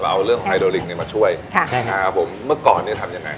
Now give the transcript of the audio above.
เราเอาเรื่องไฮโดลิงมาช่วยครับใช่ครับครับผมเมื่อก่อนเนี้ยทำยังไง